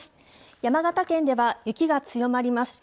山形県では雪が強まりました。